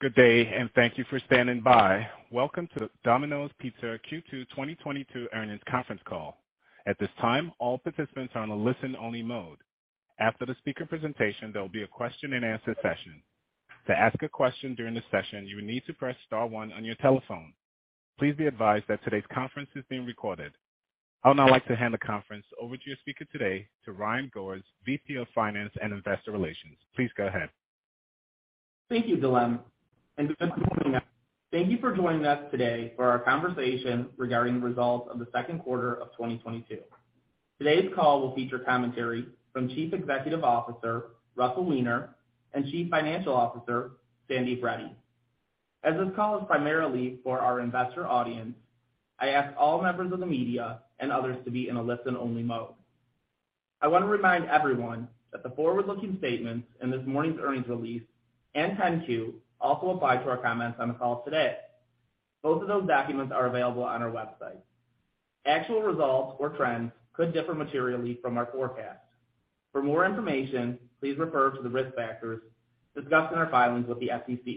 Good day, and thank you for standing by. Welcome to Domino's Pizza Q2 2022 earnings conference call. At this time, all participants are on a listen-only mode. After the speaker presentation, there will be a question-and-answer session. To ask a question during the session, you will need to press star one on your telephone. Please be advised that today's conference is being recorded. I'll now like to hand the conference over to your speaker today, to Ryan Goers, VP of Finance and Investor Relations. Please go ahead. Thank you, Dylan Ejec. Good morning, everyone. Thank you for joining us today for our conversation regarding the results of the second quarter of 2022. Today's call will feature commentary from Chief Executive Officer, Russell Weiner, and Chief Financial Officer, Sandeep Reddy. As this call is primarily for our investor audience, I ask all members of the media and others to be in a listen-only mode. I wanna remind everyone that the forward-looking statements in this morning's earnings release and 10-Q also apply to our comments on the call today. Both of those documents are available on our website. Actual results or trends could differ materially from our forecast. For more information, please refer to the risk factors discussed in our filings with the SEC.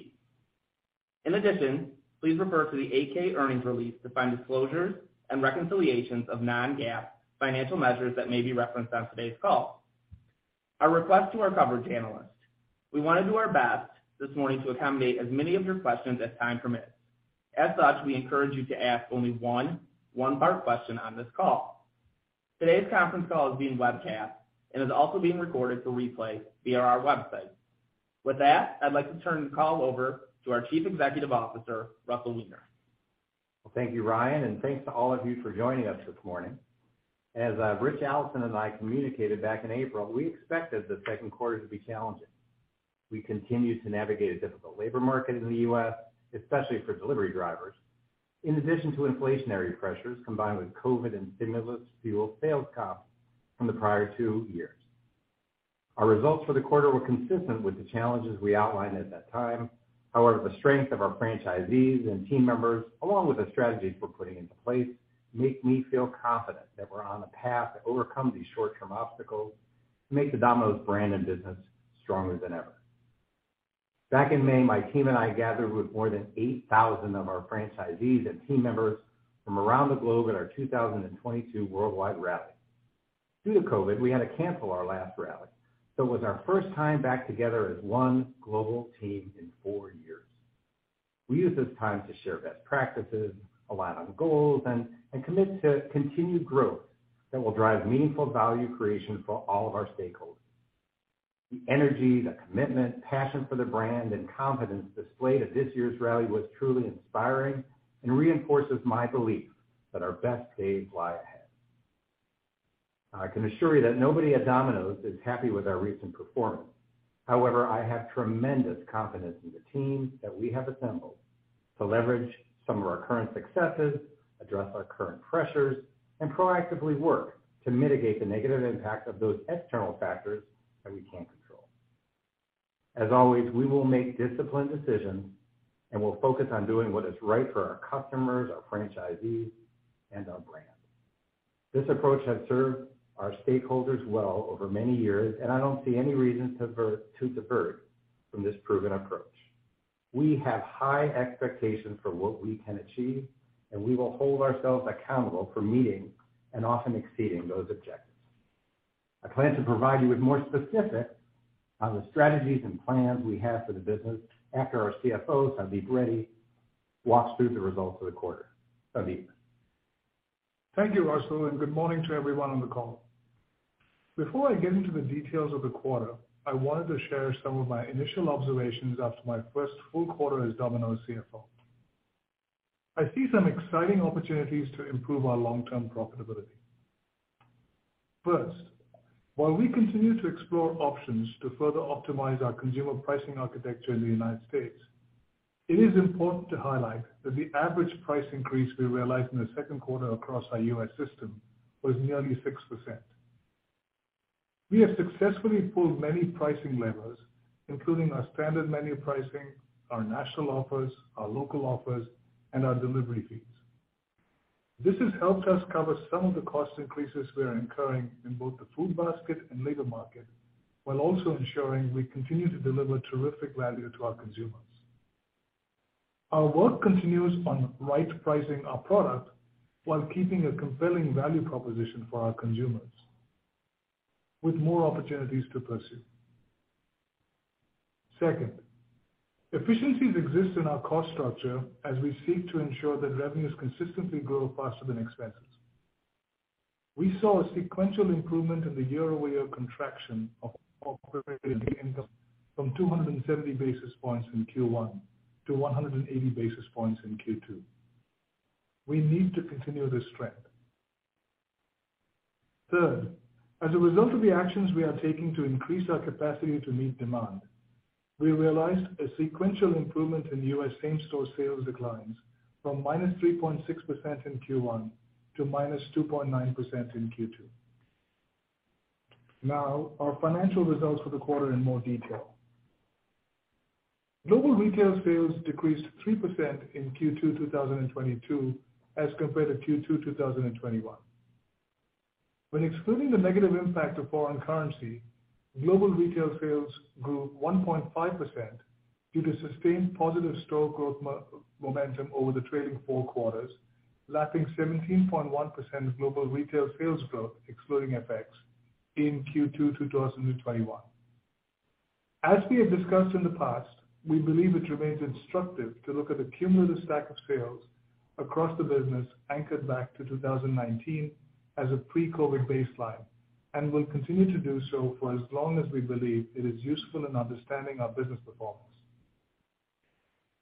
In addition, please refer to the 8-K earnings release to find disclosures and reconciliations of non-GAAP financial measures that may be referenced on today's call. Our request to our coverage analysts. We wanna do our best this morning to accommodate as many of your questions as time permits. As such, we encourage you to ask only one-part question on this call. Today's conference call is being webcast and is also being recorded for replay via our website. With that, I'd like to turn the call over to our Chief Executive Officer, Russell Weiner. Well, thank you, Ryan, and thanks to all of you for joining us this morning. As Ritch Allison and I communicated back in April, we expected the second quarter to be challenging. We continue to navigate a difficult labor market in the US, especially for delivery drivers, in addition to inflationary pressures combined with COVID and stimulus-fueled sales comp from the prior two years. Our results for the quarter were consistent with the challenges we outlined at that time. However, the strength of our franchisees and team members, along with the strategies we're putting into place, make me feel confident that we're on the path to overcome these short-term obstacles to make the Domino's brand and business stronger than ever. Back in May, my team and I gathered with more than 8,000 of our franchisees and team members from around the globe at our 2022 worldwide rally. Due to COVID, we had to cancel our last rally, so it was our first time back together as one global team in four years. We used this time to share best practices, align on goals, and commit to continued growth that will drive meaningful value creation for all of our stakeholders. The energy, the commitment, passion for the brand, and confidence displayed at this year's rally was truly inspiring and reinforces my belief that our best days lie ahead. I can assure you that nobody at Domino's is happy with our recent performance. However, I have tremendous confidence in the team that we have assembled to leverage some of our current successes, address our current pressures, and proactively work to mitigate the negative impact of those external factors that we can't control. As always, we will make disciplined decisions, and we'll focus on doing what is right for our customers, our franchisees, and our brand. This approach has served our stakeholders well over many years, and I don't see any reason to veer from this proven approach. We have high expectations for what we can achieve, and we will hold ourselves accountable for meeting and often exceeding those objectives. I plan to provide you with more specifics on the strategies and plans we have for the business after our CFO, Sandeep Reddy, walks through the results of the quarter. Sandeep. Thank you, Russell, and good morning to everyone on the call. Before I get into the details of the quarter, I wanted to share some of my initial observations after my first full quarter as Domino's CFO. I see some exciting opportunities to improve our long-term profitability. First, while we continue to explore options to further optimize our consumer pricing architecture in the United States, it is important to highlight that the average price increase we realized in the second quarter across our U.S. system was nearly 6%. We have successfully pulled many pricing levers, including our standard menu pricing, our national offers, our local offers, and our delivery fees. This has helped us cover some of the cost increases we are incurring in both the food basket and labor market, while also ensuring we continue to deliver terrific value to our consumers. Our work continues on right pricing our product while keeping a compelling value proposition for our consumers, with more opportunities to pursue. Second, efficiencies exist in our cost structure as we seek to ensure that revenues consistently grow faster than expenses. We saw a sequential improvement in the year-over-year contraction of operating income from 270 basis points in Q1 to 180 basis points in Q2. We need to continue this trend. Third, as a result of the actions we are taking to increase our capacity to meet demand, we realized a sequential improvement in U.S. same-store sales declines from -3.6% in Q1 to -2.9% in Q2. Now, our financial results for the quarter in more detail. Global retail sales decreased 3% in Q2 2022 as compared to Q2 2021. When excluding the negative impact of foreign currency, global retail sales grew 1.5% due to sustained positive store growth momentum over the trailing four quarters, lapping 17.1% of global retail sales growth excluding FX in Q2 2021. As we have discussed in the past, we believe it remains instructive to look at the cumulative stack of sales across the business anchored back to 2019 as a pre-COVID baseline, and will continue to do so for as long as we believe it is useful in understanding our business performance.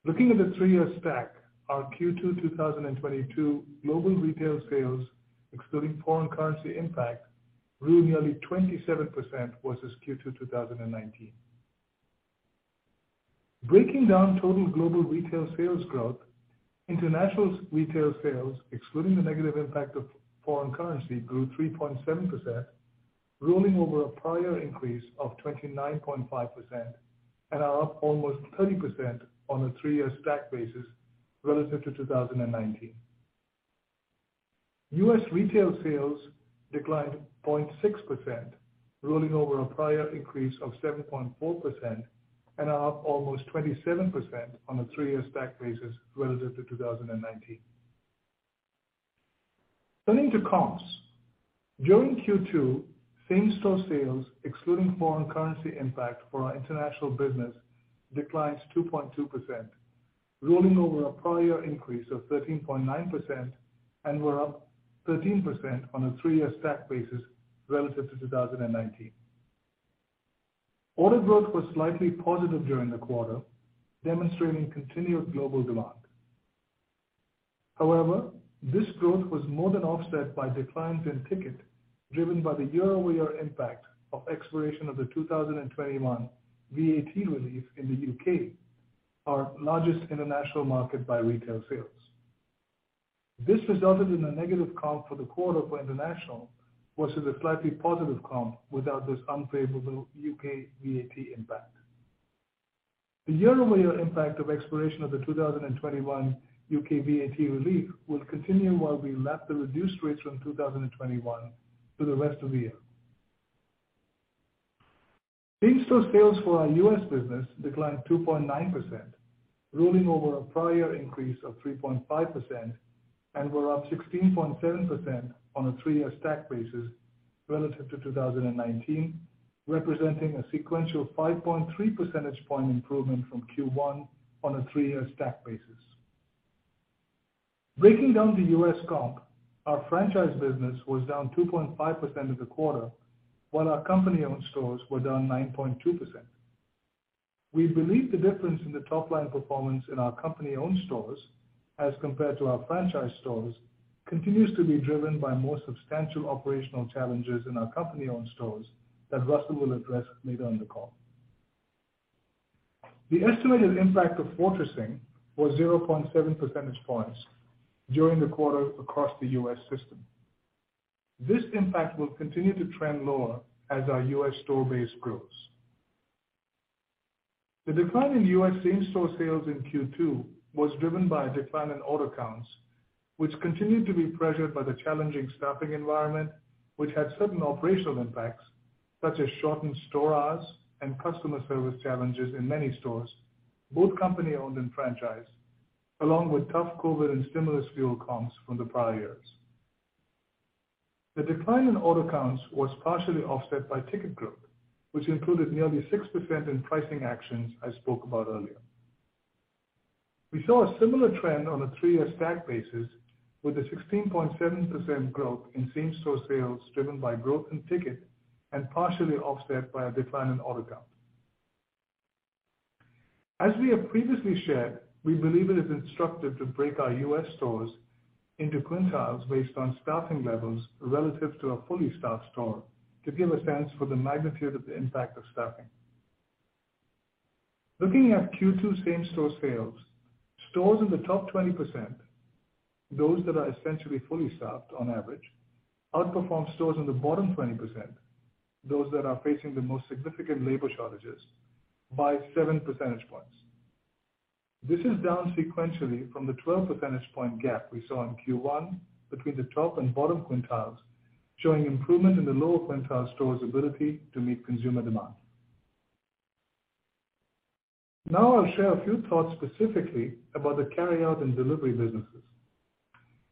Looking at the three-year stack, our Q2 2022 global retail sales, excluding foreign currency impact, grew nearly 27% versus Q2 2019. Breaking down total global retail sales growth, international retail sales, excluding the negative impact of foreign currency, grew 3.7%, rolling over a prior increase of 29.5% and are up almost 30% on a three-year stack basis relative to 2019. U.S. retail sales declined 0.6%, rolling over a prior increase of 7.4% and are up almost 27% on a three-year stack basis relative to 2019. Turning to comps. During Q2, same-store sales, excluding foreign currency impact for our international business, declined 2.2%, rolling over a prior increase of 13.9% and were up 13% on a three-year stack basis relative to 2019. Order growth was slightly positive during the quarter, demonstrating continued global demand. However, this growth was more than offset by declines in ticket, driven by the year-over-year impact of expiration of the 2021 VAT relief in the U.K., our largest international market by retail sales. This resulted in a negative comp for the quarter for international versus a slightly positive comp without this unfavorable U.K. VAT impact. The year-over-year impact of expiration of the 2021 U.K. VAT relief will continue while we lap the reduced rates from 2021 through the rest of the year. Same-store sales for our U.S. business declined 2.9%, rolling over a prior increase of 3.5% and were up 16.7% on a three-year stack basis relative to 2019, representing a sequential 5.3 percentage point improvement from Q1 on a three-year stack basis. Breaking down the U.S. comp, our franchise business was down 2.5% for the quarter, while our company-owned stores were down 9.2%. We believe the difference in the top-line performance in our company-owned stores as compared to our franchise stores continues to be driven by more substantial operational challenges in our company-owned stores that Russell will address later in the call. The estimated impact of fortressing was 0.7 percentage points during the quarter across the U.S. system. This impact will continue to trend lower as our U.S. store base grows. The decline in U.S. same-store sales in Q2 was driven by a decline in order counts, which continued to be pressured by the challenging staffing environment, which had certain operational impacts, such as shortened store hours and customer service challenges in many stores, both company-owned and franchise, along with tough COVID and stimulus-fueled comps from the prior years. The decline in order counts was partially offset by ticket growth, which included nearly 6% in pricing actions I spoke about earlier. We saw a similar trend on a three-year stack basis with a 16.7% growth in same-store sales driven by growth in ticket and partially offset by a decline in order count. As we have previously shared, we believe it is instructive to break our U.S. stores into quintiles based on staffing levels relative to a fully staffed store to give a sense for the magnitude of the impact of staffing. Looking at Q2 same-store sales, stores in the top 20%, those that are essentially fully staffed on average, outperformed stores in the bottom 20%, those that are facing the most significant labor shortages, by 7 percentage points. This is down sequentially from the 12 percentage point gap we saw in Q1 between the top and bottom quintiles, showing improvement in the lower quintile stores' ability to meet consumer demand. Now I'll share a few thoughts specifically about the carryout and delivery businesses.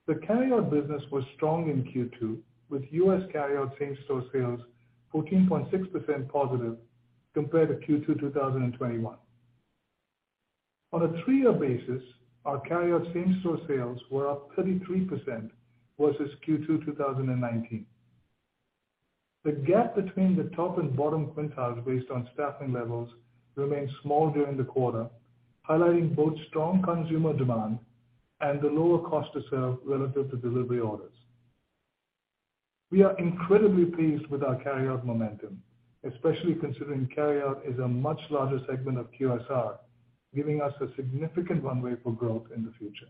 The carryout business was strong in Q2, with U.S. carryout same-store sales 14.6% positive compared to Q2 2021. On a three-year basis, our carryout same-store sales were up 33% versus Q2 2019. The gap between the top and bottom quintiles based on staffing levels remained small during the quarter, highlighting both strong consumer demand and the lower cost to serve relative to delivery orders. We are incredibly pleased with our carryout momentum, especially considering carryout is a much larger segment of QSR, giving us a significant runway for growth in the future.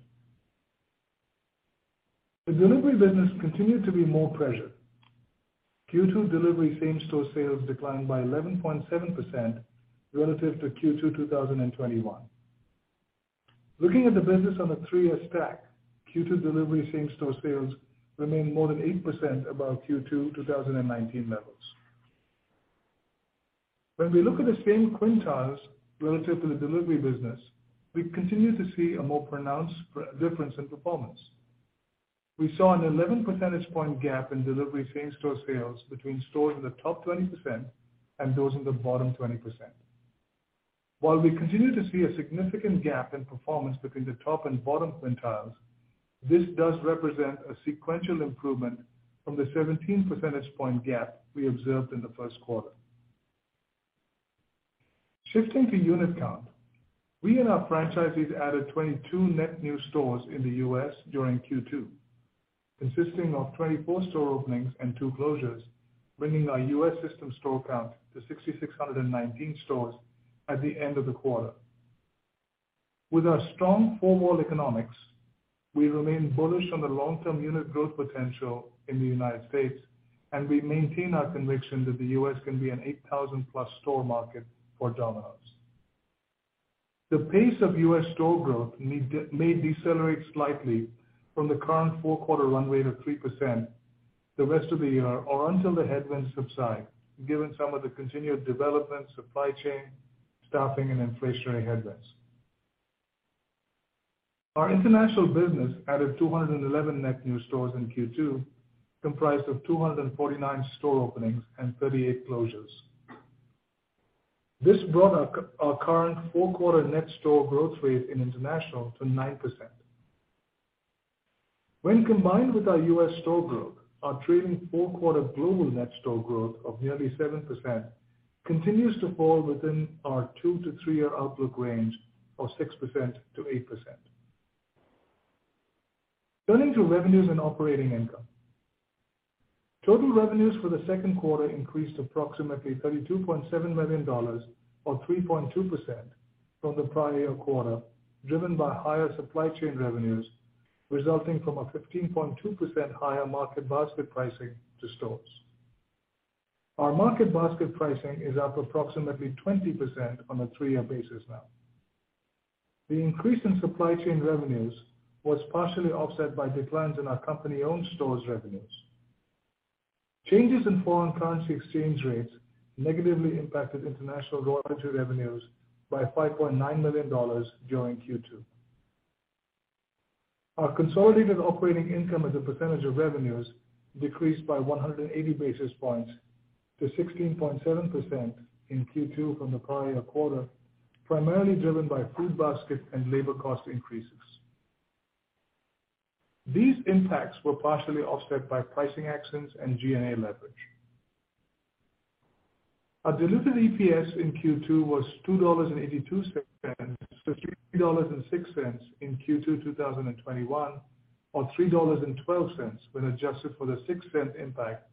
The delivery business continued to be more pressured. Q2 delivery same-store sales declined by 11.7% relative to Q2 2021. Looking at the business on a three-year stack, Q2 delivery same-store sales remain more than 8% above Q2 2019 levels. When we look at the same quintiles relative to the delivery business, we continue to see a more pronounced difference in performance. We saw an 11 percentage point gap in delivery same-store sales between stores in the top 20% and those in the bottom 20%. While we continue to see a significant gap in performance between the top and bottom quintiles, this does represent a sequential improvement from the 17 percentage point gap we observed in the first quarter. Shifting to unit count, we and our franchisees added 22 net new stores in the U.S. during Q2, consisting of 24 store openings and two closures, bringing our U.S. system store count to 6,619 stores at the end of the quarter. With our strong four wall economics, we remain bullish on the long-term unit growth potential in the United States, and we maintain our conviction that the U.S. can be an 8,000+ store market for Domino's. The pace of U.S. store growth may decelerate slightly from the current four-quarter run rate of 3% the rest of the year or until the headwinds subside, given some of the continued development, supply chain, staffing and inflationary headwinds. Our international business added 211 net new stores in Q2, comprised of 249 store openings and 38 closures. This brought our current four-quarter net store growth rate in international to 9%. When combined with our U.S. store growth, our trailing four-quarter global net store growth of nearly 7% continues to fall within our two to three year outlook range of 6%-8%. Turning to revenues and operating income. Total revenues for the second quarter increased approximately $32.7 million, or 3.2% from the prior year quarter, driven by higher supply chain revenues resulting from a 15.2% higher market basket pricing to stores. Our market basket pricing is up approximately 20% on a three-year basis now. The increase in supply chain revenues was partially offset by declines in our company-owned stores' revenues. Changes in foreign currency exchange rates negatively impacted international royalty revenues by $5.9 million during Q2. Our consolidated operating income as a percentage of revenues decreased by 180 basis points to 16.7% in Q2 from the prior year quarter, primarily driven by food basket and labor cost increases. These impacts were partially offset by pricing actions and G&A leverage. Our diluted EPS in Q2 was $2.82-$3.06 in Q2 2021, or $3.12 when adjusted for the $0.06 impact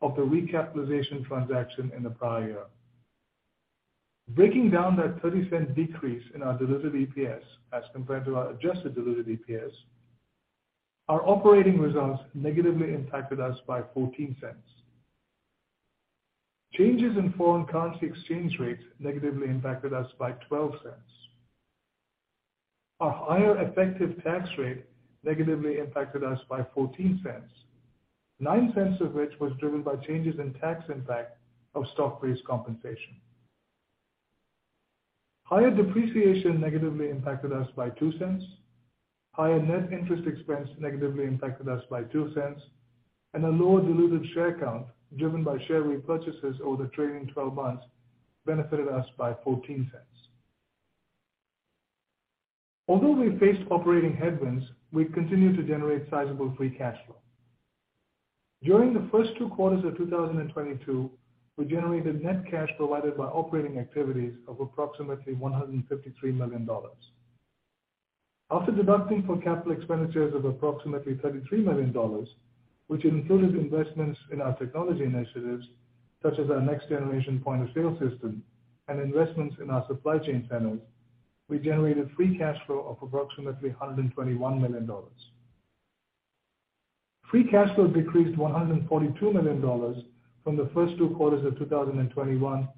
of the recapitalization transaction in the prior year. Breaking down that 30-cent decrease in our diluted EPS as compared to our adjusted diluted EPS, our operating results negatively impacted us by $0.14. Changes in foreign currency exchange rates negatively impacted us by $0.12. Our higher effective tax rate negatively impacted us by $0.14, $0.09 of which was driven by changes in tax impact of stock-based compensation. Higher depreciation negatively impacted us by $0.02. Higher net interest expense negatively impacted us by $0.02 and a lower diluted share count driven by share repurchases over the trailing twelve months benefited us by $0.14. Although we faced operating headwinds, we continued to generate sizable free cash flow. During the first two quarters of 2022, we generated net cash provided by operating activities of approximately $153 million. After deducting for capital expenditures of approximately $33 million, which included investments in our technology initiatives such as our next generation point-of-sale system and investments in our supply chain centers, we generated free cash flow of approximately $121 million. Free cash flow decreased $142 million from the first two quarters of 2021,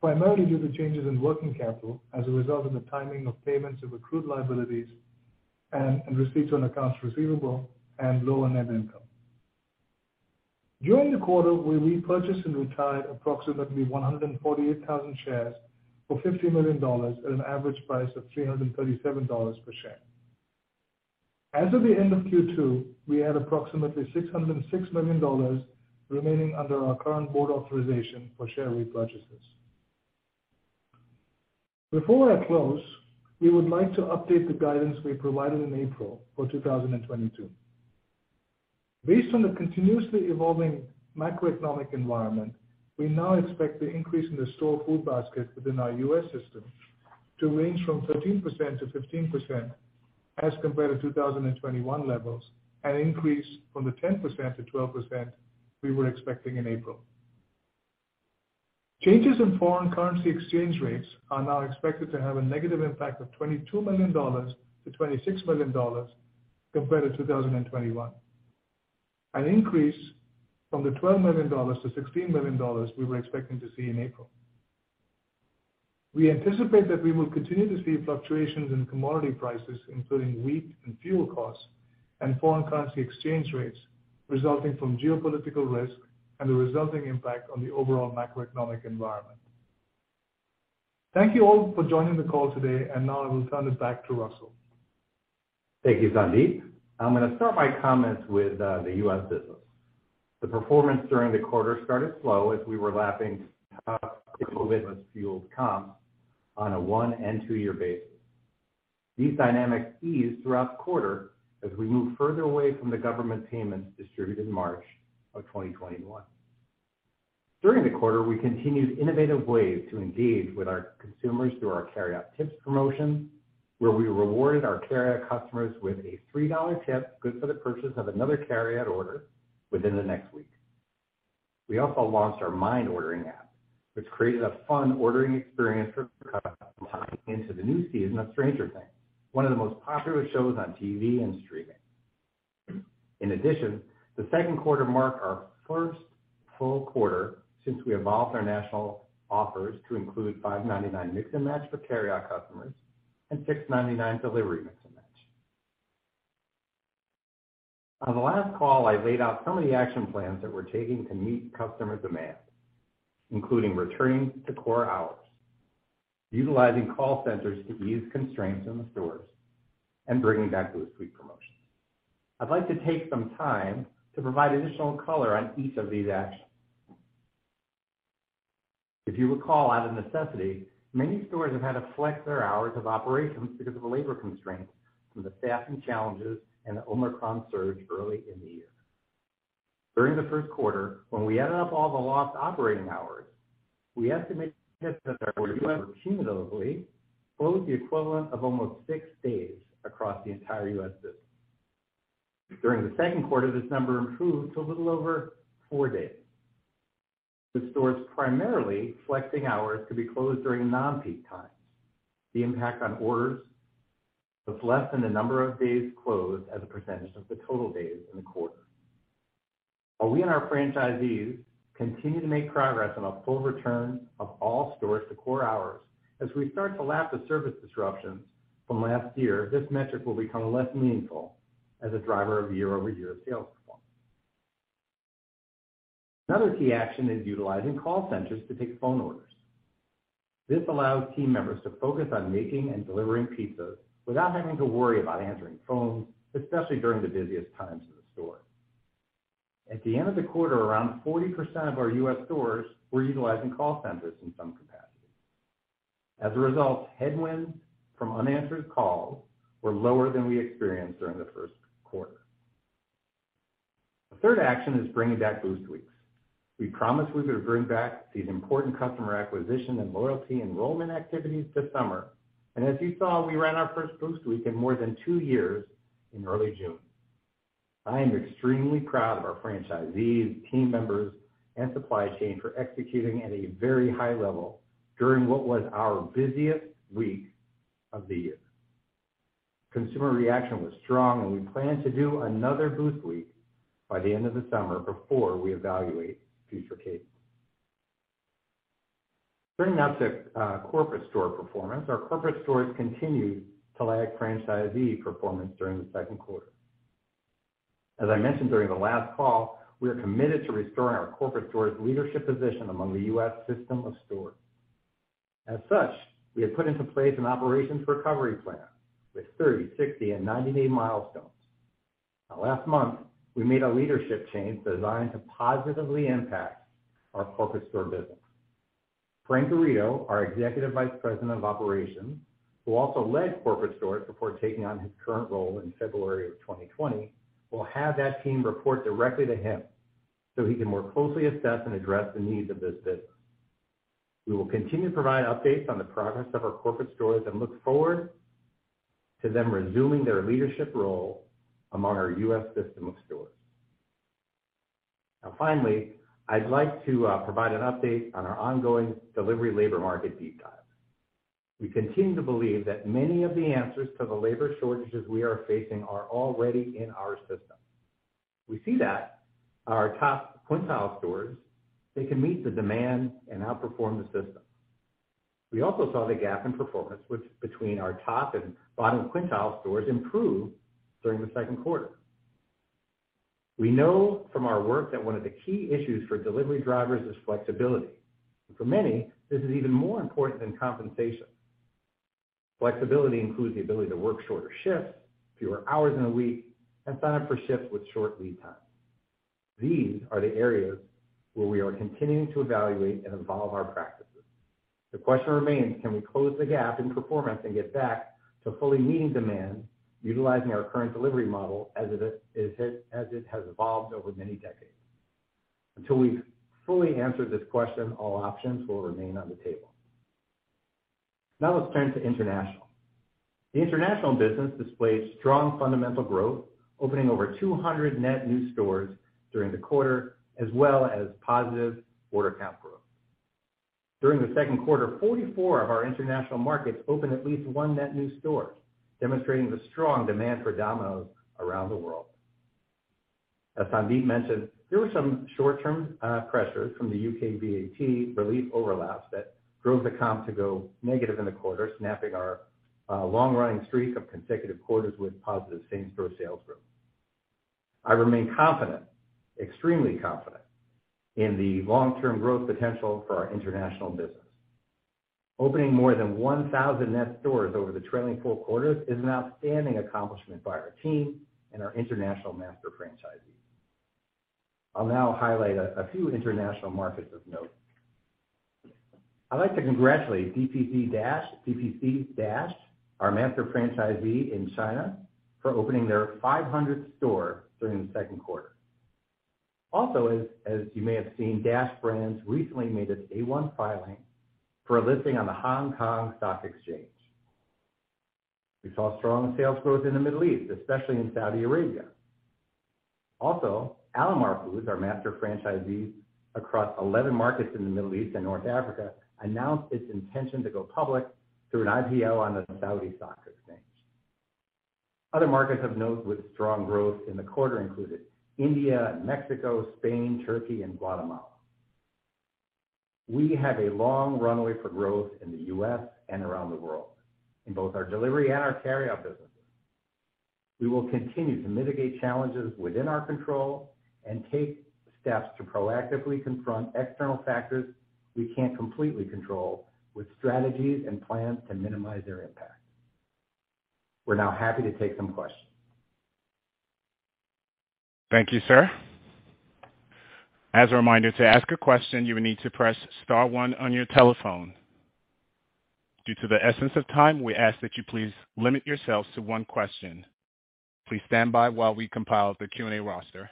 primarily due to changes in working capital as a result of the timing of payments of accrued liabilities and receipts on accounts receivable and lower net income. During the quarter, we repurchased and retired approximately 148,000 shares for $50 million at an average price of $337 per share. As of the end of Q2, we had approximately $606 million remaining under our current board authorization for share repurchases. Before I close, we would like to update the guidance we provided in April for 2022. Based on the continuously evolving macroeconomic environment, we now expect the increase in the store food basket within our U.S. system to range from 13%-15% as compared to 2021 levels, an increase from the 10%-12% we were expecting in April. Changes in foreign currency exchange rates are now expected to have a negative impact of $22 million-$26 million compared to 2021. An increase from the $12 million to $16 million we were expecting to see in April. We anticipate that we will continue to see fluctuations in commodity prices, including wheat and fuel costs and foreign currency exchange rates resulting from geopolitical risk and the resulting impact on the overall macroeconomic environment. Thank you all for joining the call today, and now I will turn it back to Russell. Thank you, Sandeep. I'm gonna start my comments with the US business. The performance during the quarter started slow as we were lapping COVID-fueled comp on a one- and two-year basis. These dynamics eased throughout the quarter as we move further away from the government payments distributed in March of 2021. During the quarter, we continued innovative ways to engage with our consumers through our carryout tips promotion, where we rewarded our carryout customers with a $3 tip, good for the purchase of another carryout order within the next week. We also launched our Mind Ordering app, which created a fun ordering experience for customers into the new season of Stranger Things, one of the most popular shows on TV and streaming. In addition, the second quarter marked our first full quarter since we evolved our national offers to include $5.99 Mix & Match for carryout customers and $6.99 delivery Mix & Match. On the last call, I laid out some of the action plans that we're taking to meet customer demand, including returning to core hours, utilizing call centers to ease constraints in the stores, and bringing back those sweet promotions. I'd like to take some time to provide additional color on each of these actions. If you recall, out of necessity, many stores have had to flex their hours of operations because of labor constraints from the staffing challenges and the Omicron surge early in the year. During the first quarter, when we added up all the lost operating hours, we estimate cumulatively closed the equivalent of almost six days across the entire U.S. system. During the second quarter, this number improved to a little over four days. The stores primarily flexing hours could be closed during non-peak times. The impact on orders was less than the number of days closed as a percentage of the total days in the quarter. While we and our franchisees continue to make progress on a full return of all stores to core hours, as we start to lap the service disruptions from last year, this metric will become less meaningful as a driver of year-over-year sales performance. Another key action is utilizing call centers to take phone orders. This allows team members to focus on making and delivering pizza without having to worry about answering phones, especially during the busiest times of the store. At the end of the quarter, around 40% of our U.S. stores were utilizing call centers in some capacity. As a result, headwinds from unanswered calls were lower than we experienced during the first quarter. The third action is bringing back Boost Weeks. We promised we would bring back these important customer acquisition and loyalty enrollment activities this summer, and as you saw, we ran our first Boost Week in more than two years in early June. I am extremely proud of our franchisees, team members, and supply chain for executing at a very high level during what was our busiest week of the year. Consumer reaction was strong, and we plan to do another Boost Week by the end of the summer before we evaluate future cases. Turning now to corporate store performance. Our corporate stores continued to lag franchisee performance during the second quarter. As I mentioned during the last call, we are committed to restoring our corporate stores leadership position among the U.S. system of stores. As such, we have put into place an operations recovery plan with 30-, 60-, and 90-day milestones. Now last month, we made a leadership change designed to positively impact our corporate store business. Frank Garrido, our Executive Vice President of Operations, who also led corporate stores before taking on his current role in February of 2020, will have that team report directly to him, so he can more closely assess and address the needs of this business. We will continue to provide updates on the progress of our corporate stores and look forward to them resuming their leadership role among our U.S. system of stores. Now finally, I'd like to provide an update on our ongoing delivery labor market deep dive. We continue to believe that many of the answers to the labor shortages we are facing are already in our system. We see that our top quintile stores, they can meet the demand and outperform the system. We also saw the gap in performance between our top and bottom quintile stores improve during the second quarter. We know from our work that one of the key issues for delivery drivers is flexibility. For many, this is even more important than compensation. Flexibility includes the ability to work shorter shifts, fewer hours in a week, and sign up for shifts with short lead time. These are the areas where we are continuing to evaluate and evolve our practices. The question remains, can we close the gap in performance and get back to fully meeting demand utilizing our current delivery model as it has evolved over many decades? Until we've fully answered this question, all options will remain on the table. Now let's turn to international. The international business displays strong fundamental growth, opening over 200 net new stores during the quarter, as well as positive order count growth. During the second quarter, 44 of our international markets opened at least one net new store, demonstrating the strong demand for Domino's around the world. As Sandeep mentioned, there were some short-term pressures from the UK VAT relief overlaps that drove the comp to go negative in the quarter, snapping our long-running streak of consecutive quarters with positive same-store sales growth. I remain confident, extremely confident in the long-term growth potential for our international business. Opening more than 1,000 net stores over the trailing four quarters is an outstanding accomplishment by our team and our international master franchisees. I'll now highlight a few international markets of note. I'd like to congratulate DPC Dash, our master franchisee in China, for opening their 500th store during the second quarter. Also, as you may have seen, DPC Dash recently made its A1 filing for a listing on the Hong Kong Stock Exchange. We saw strong sales growth in the Middle East, especially in Saudi Arabia. Also, Alamar Foods, our master franchisee across 11 markets in the Middle East and North Africa, announced its intention to go public through an IPO on the Saudi Exchange. Other markets of note with strong growth in the quarter included India, Mexico, Spain, Turkey and Guatemala. We have a long runway for growth in the U.S. and around the world in both our delivery and our carryout business. We will continue to mitigate challenges within our control and take steps to proactively confront external factors we can't completely control with strategies and plans to minimize their impact. We're now happy to take some questions. Thank you, sir. As a reminder, to ask a question, you will need to press star one on your telephone. Due to the press of time, we ask that you please limit yourselves to one question. Please stand by while we compile the Q&A roster.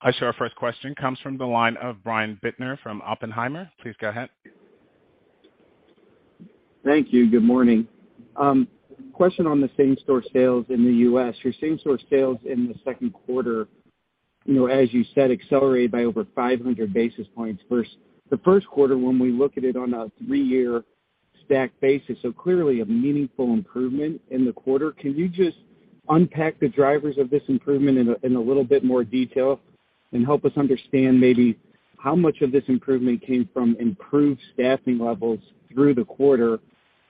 I show our first question comes from the line of Brian Bittner from Oppenheimer. Please go ahead. Thank you. Good morning. Question on the same-store sales in the U.S. Your same-store sales in the second quarter, you know, as you said, accelerated by over 500 basis points versus the first quarter when we look at it on a three-year stacked basis. Clearly a meaningful improvement in the quarter. Can you just unpack the drivers of this improvement in a little bit more detail and help us understand maybe how much of this improvement came from improved staffing levels through the quarter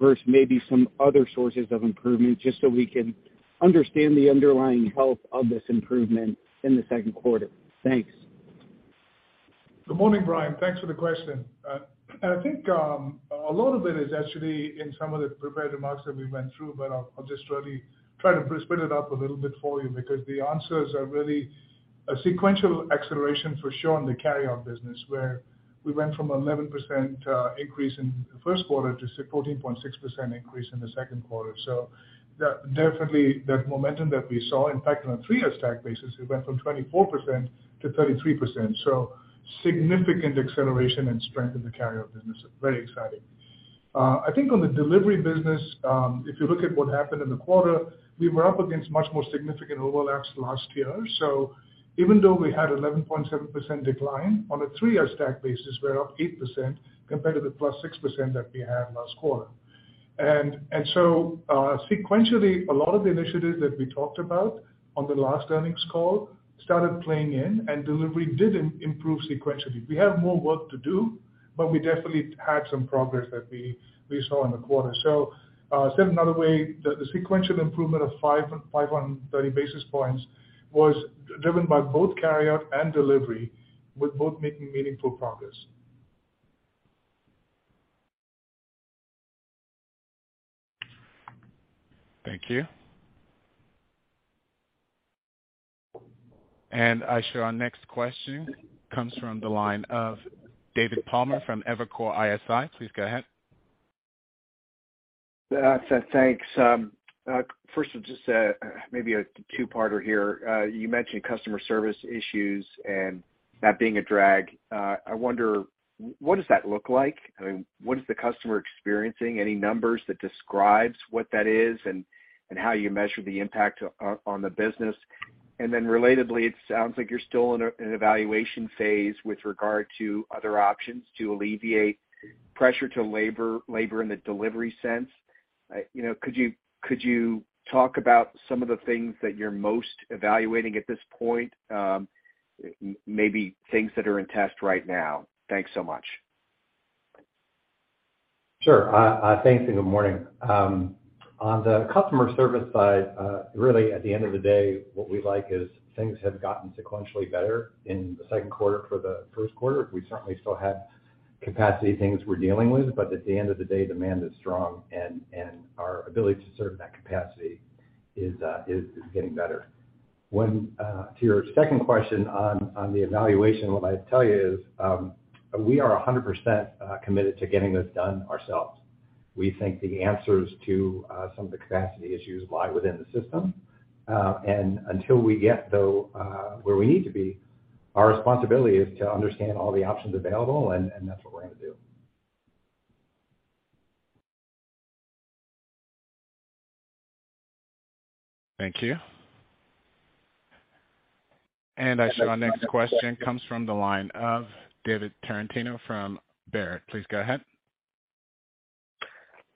versus maybe some other sources of improvement, just so we can understand the underlying health of this improvement in the second quarter? Thanks. Good morning, Brian. Thanks for the question. I think a lot of it is actually in some of the prepared remarks that we went through, but I'll just really try to split it up a little bit for you because the answers are really a sequential acceleration for sure on the carryout business, where we went from 11% increase in the first quarter to 14.6% increase in the second quarter. That definitely that momentum that we saw, in fact, on a three-year stack basis, it went from 24% to 33%. Significant acceleration and strength in the carryout business. Very exciting. I think on the delivery business, if you look at what happened in the quarter, we were up against much more significant overlaps last year. Even though we had 11.7% decline, on a three-year stack basis, we're up 8% compared to the +6% that we had last quarter. Sequentially, a lot of the initiatives that we talked about on the last earnings call started playing in, and delivery did improve sequentially. We have more work to do, but we definitely had some progress that we saw in the quarter. Said another way, the sequential improvement of 55,130 basis points was driven by both carryout and delivery, with both making meaningful progress. Thank you. Our next question comes from the line of David Palmer from Evercore ISI. Please go ahead. Thanks. First, just maybe a two-parter here. You mentioned customer service issues and that being a drag. I wonder, what does that look like? I mean, what is the customer experiencing? Any numbers that describes what that is and how you measure the impact on the business. Then relatedly, it sounds like you're still in an evaluation phase with regard to other options to alleviate pressure to labor in the delivery sense. You know, could you talk about some of the things that you're most evaluating at this point, maybe things that are in test right now? Thanks so much. Sure. Thanks, and good morning. On the customer service side, really, at the end of the day, what we like is things have gotten sequentially better in the second quarter from the first quarter. We certainly still have capacity things we're dealing with, but at the end of the day, demand is strong and our ability to serve that capacity is getting better. To your second question on the evaluation, what I'd tell you is we are 100% committed to getting this done ourselves. We think the answers to some of the capacity issues lie within the system. Until we get where we need to be, our responsibility is to understand all the options available, and that's what we're gonna do. Thank you. Our next question comes from the line of David Tarantino from Baird. Please go ahead.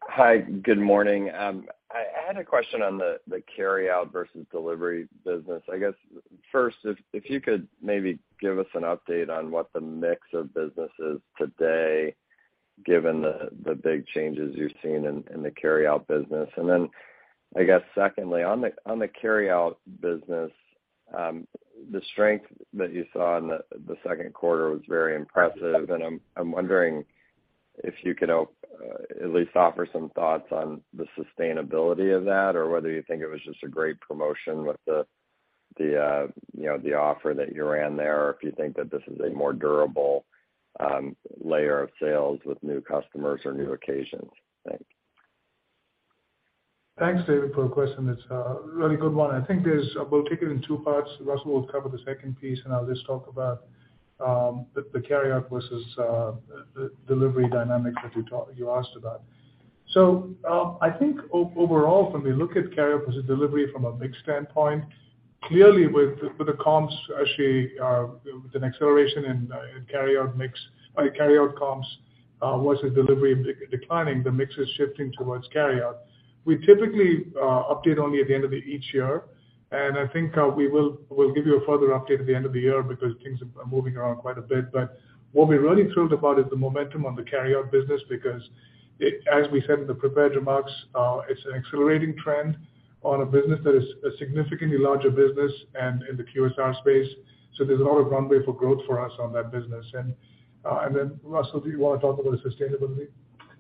Hi, good morning. I had a question on the carry-out versus delivery business. I guess first, if you could maybe give us an update on what the mix of business is today, given the big changes you've seen in the carry-out business. Then I guess secondly, on the carry-out business, the strength that you saw in the second quarter was very impressive. I'm wondering if you could help at least offer some thoughts on the sustainability of that or whether you think it was just a great promotion with the, you know, the offer that you ran there, or if you think that this is a more durable layer of sales with new customers or new occasions. Thanks. Thanks, David, for the question. It's a really good one. We'll take it in two parts. Russell will cover the second piece, and I'll just talk about the carry-out versus the delivery dynamics that you asked about. I think overall, when we look at carryout versus delivery from a mix standpoint, clearly with the comps actually with an acceleration in carry-out mix, carry-out comps versus delivery declining, the mix is shifting towards carry-out. We typically update only at the end of each year, and I think we'll give you a further update at the end of the year because things are moving around quite a bit. What we are really thrilled about is the momentum on the carryout business because it, as we said in the prepared remarks, it's an accelerating trend on a business that is a significantly larger business and in the QSR space. There's a lot of runway for growth for us on that business. Then Russell, do you wanna talk about the sustainability?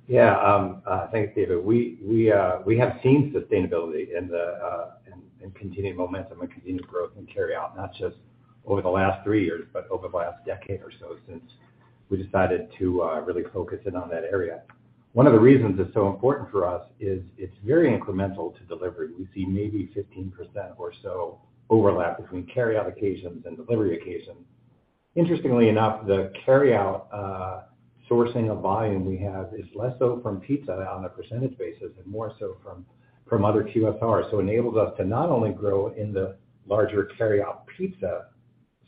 Yeah. Thanks, David. We have seen sustainability in the continued momentum and continued growth in carryout, not just over the last three years, but over the last decade or so since we decided to really focus in on that area. One of the reasons it's so important for us is it's very incremental to delivery. We see maybe 15% or so overlap between carryout occasions and delivery occasions. Interestingly enough, the carryout sourcing of volume we have is less so from pizza on a percentage basis and more so from other QSR. Enables us to not only grow in the larger carryout pizza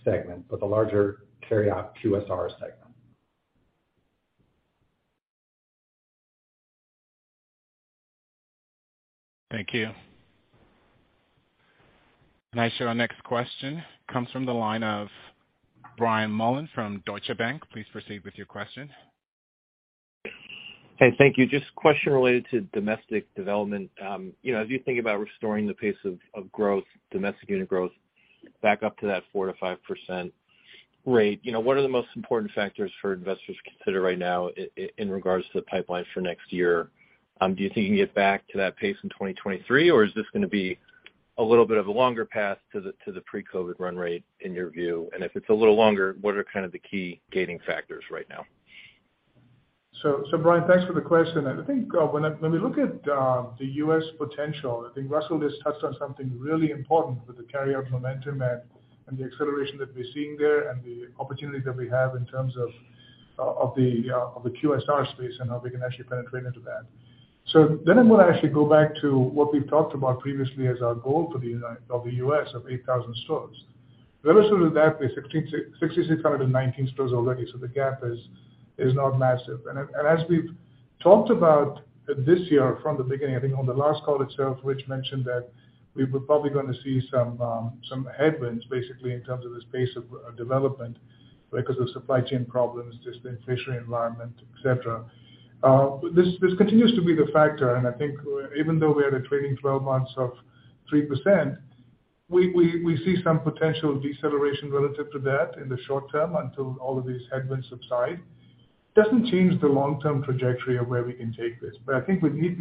segment, but the larger carryout QSR segment. Thank you. I show our next question comes from the line of Brian Mullan from Deutsche Bank. Please proceed with your question. Hey, thank you. Just a question related to domestic development. You know, as you think about restoring the pace of growth, domestic unit growth back up to that 4%-5% rate, you know, what are the most important factors for investors to consider right now in regards to the pipeline for next year? Do you think you can get back to that pace in 2023, or is this gonna be a little bit of a longer path to the pre-COVID run rate in your view? If it's a little longer, what are kind of the key gating factors right now? Brian, thanks for the question. I think when we look at the U.S. potential, I think Russell just touched on something really important with the carryout momentum and the acceleration that we are seeing there, and the opportunity that we have in terms of the QSR space and how we can actually penetrate into that. I'm gonna actually go back to what we've talked about previously as our goal for the U.S. of 8,000 stores. Relative to that, we have 6,619 stores already. The gap is not massive. We've talked about this year from the beginning. I think on the last call itself, Ritch mentioned that we were probably gonna see some headwinds basically in terms of this pace of development because of supply chain problems, just the inflationary environment, et cetera. This continues to be the factor and I think even though we had a trailing twelve months of 3%, we see some potential deceleration relative to that in the short term until all of these headwinds subside. Doesn't change the long-term trajectory of where we can take this. I think we need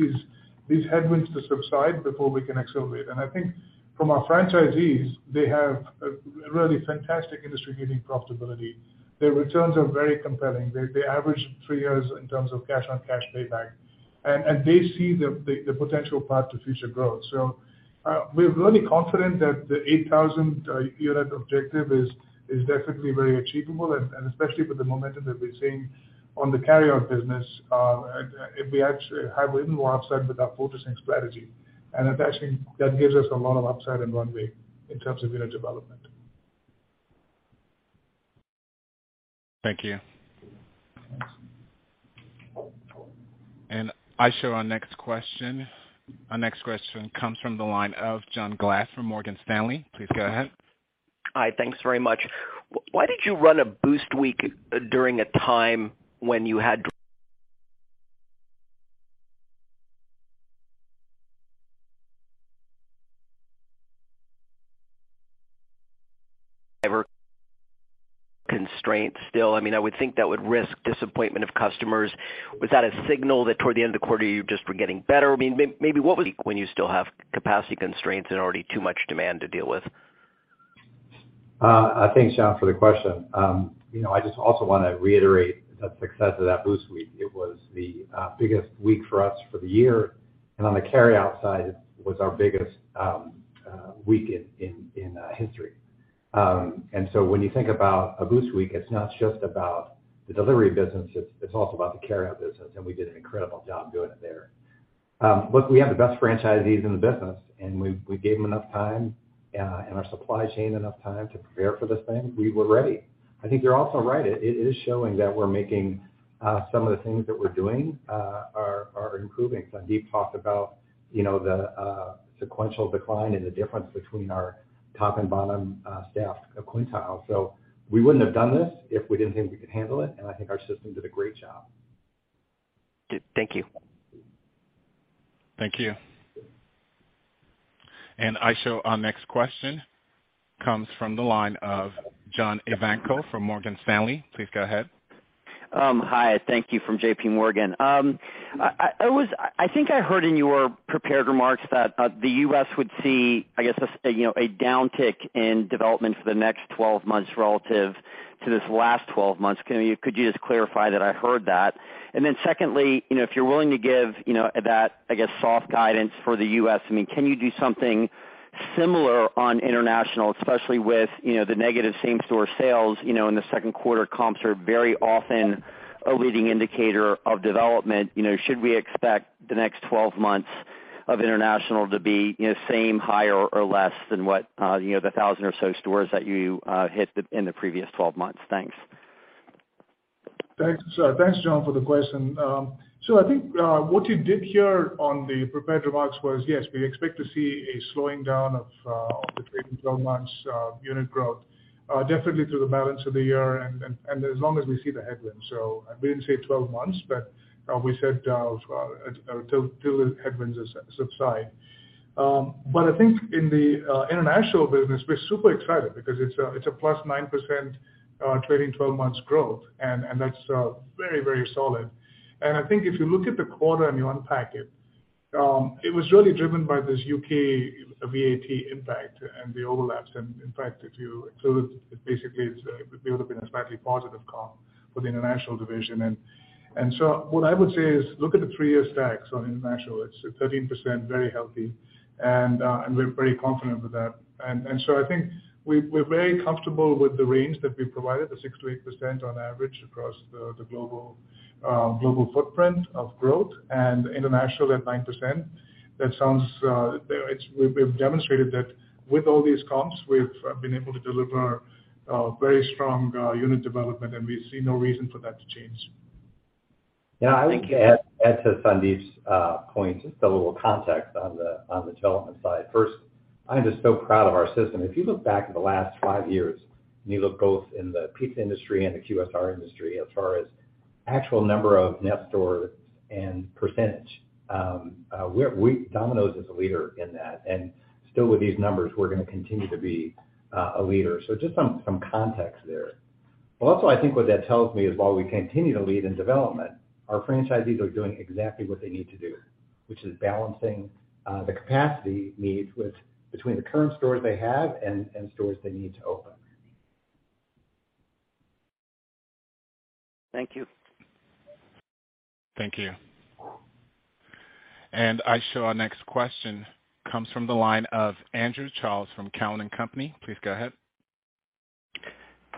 these headwinds to subside before we can accelerate. I think from our franchisees, they have a really fantastic industry-leading profitability. Their returns are very compelling. They average 3 years in terms of cash on cash payback. They see the potential path to future growth. We are really confident that the 8,000 unit objective is definitely very achievable, especially with the momentum that we are seeing on the carryout business. If we actually have even more upside with our fortressing strategy, that actually gives us a lot of upside and runway in terms of unit development. Thank you. I show our next question. Our next question comes from the line of John Glass from Morgan Stanley. Please go ahead. Hi. Thanks very much. Why did you run a Boost Week during a time when you had driver constraints still? I mean, I would think that would risk disappointment of customers. Was that a signal that toward the end of the quarter you just were getting better? I mean, maybe what was when you still have capacity constraints and already too much demand to deal with? Thanks, John for the question. You know, I just also wanna reiterate the success of that Boost Week. It was the biggest week for us for the year. On the carryout side, it was our biggest week in history. When you think about a Boost Week, it's not just about the delivery business, it's also about the carry-out business, and we did an incredible job doing it there. Look, we have the best franchisees in the business, and we gave them enough time, and our supply chain enough time to prepare for this thing. We were ready. I think you're also right. It is showing that we're making some of the things that we're doing are improving. Sandeep talked about, you know, the sequential decline and the difference between our top and bottom staff quintile. We wouldn't have done this if we didn't think we could handle it, and I think our system did a great job. Thank you. Thank you. I show our next question comes from the line of John Ivankoe from Morgan Stanley. Please go ahead. Hi. Thank you from J.P. Morgan. I was. I think I heard in your prepared remarks that the U.S. would see, I guess, a downtick in development for the next 12 months relative to this last 12 months. Could you just clarify that I heard that? Then secondly, you know, if you're willing to give, you know, that, I guess, soft guidance for the U.S., I mean, can you do something similar on international, especially with, you know, the negative same-store sales, you know, in the second quarter comps are very often a leading indicator of development, you know, should we expect the next 12 months of international to be, you know, same, higher or less than what, you know, the 1,000 or so stores that you hit in the previous 12 months? Thanks. Thanks. Thanks, John, for the question. I think what you did hear on the prepared remarks was, yes, we expect to see a slowing down of the trailing twelve months unit growth definitely through the balance of the year and as long as we see the headwinds. We didn't say twelve months, but we said till the headwinds subside. I think in the international business, we're super excited because it's a plus 9% trailing twelve months growth, and that's very, very solid. I think if you look at the quarter and you unpack it was really driven by this U.K. VAT impact and the overlaps. In fact, if you include it, basically it's, it would have been a slightly positive comp for the international division. What I would say is look at the three-year stacks on international. It's at 13%, very healthy. We're very confident with that. I think we're very comfortable with the range that we provided, the 6%-8% on average across the global footprint of growth and international at 9%. That sounds we've demonstrated that with all these comps, we've been able to deliver very strong unit development, and we see no reason for that to change. Thank you. Thank you. Our next question comes from the line of Andrew Charles from Cowen and Company. Please go ahead.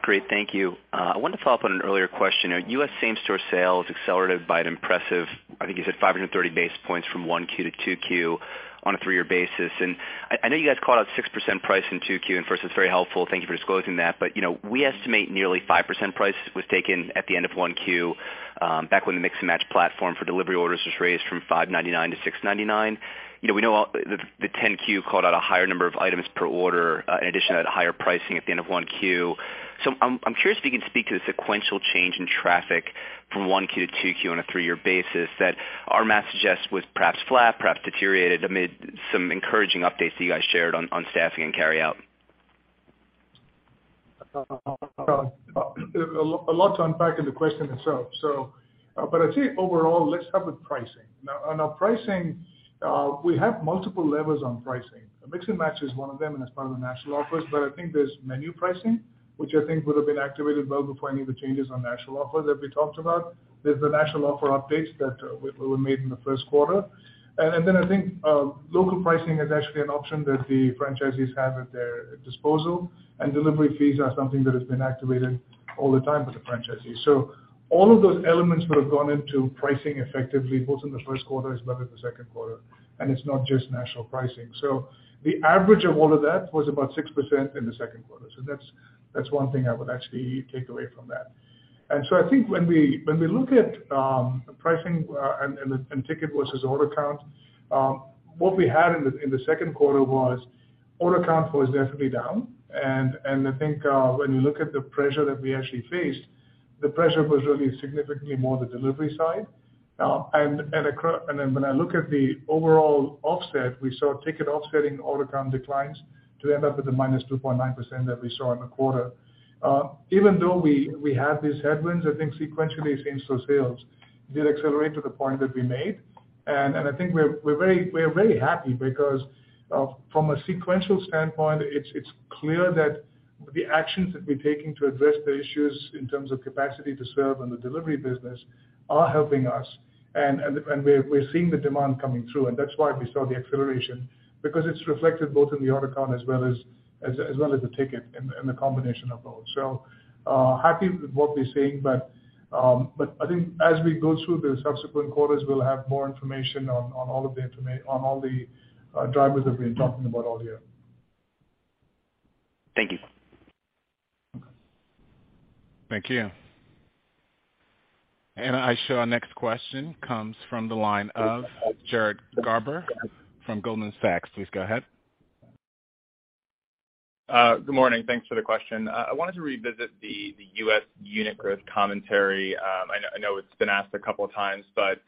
Great. Thank you. I wanted to follow up on an earlier question. You know, U.S. same-store sales accelerated by an impressive, I think you said 530 basis points from 1Q to 2Q on a three-year basis. I know you guys called out 6% price in 2Q, and for us, it's very helpful, thank you for disclosing that. You know, we estimate nearly 5% price was taken at the end of 1Q, back when the Mix & Match platform for delivery orders was raised from $5.99 to $6.99. You know, we know, the 10-Q called out a higher number of items per order, in addition to that higher pricing at the end of 1Q. I'm curious if you can speak to the sequential change in traffic from 1Q to 2Q on a three-year basis that our math suggests was perhaps flat, perhaps deteriorated amid some encouraging updates that you guys shared on staffing and carryout. A lot to unpack in the question itself. I'd say overall, let's start with pricing. Now, on our pricing, we have multiple levers on pricing. Mix & Match is one of them, and it's part of the national offers. I think there's menu pricing, which I think would have been activated well before any of the changes on national offer that we talked about. There's the national offer updates that we made in the first quarter. I think local pricing is actually an option that the franchisees have at their disposal, and delivery fees are something that has been activated all the time with the franchisees. All of those elements would have gone into pricing effectively, both in the first quarter as well as the second quarter, and it's not just national pricing. The average of all of that was about 6% in the second quarter. That's one thing I would actually take away from that. I think when we look at pricing and the ticket versus order count, what we had in the second quarter was order count was definitely down. I think when you look at the pressure that we actually faced, the pressure was really significantly more the delivery side. Then when I look at the overall offset, we saw ticket offsetting order count declines to end up with the -2.9% that we saw in the quarter. Even though we had these headwinds, I think sequentially same-store sales did accelerate to the point that we made. I think we're very happy because from a sequential standpoint, it's clear that the actions that we're taking to address the issues in terms of capacity to serve in the delivery business are helping us. We're seeing the demand coming through, and that's why we saw the acceleration because it's reflected both in the order count as well as the ticket and the combination of both. Happy with what we're seeing, but I think as we go through the subsequent quarters, we'll have more information on all the drivers that we've been talking about all year. Thank you. Thank you. Our next question comes from the line of Jared Garber from Goldman Sachs Please go ahead. Good morning. Thanks for the question. I wanted to revisit the U.S. unit growth commentary. I know it's been asked a couple of times, but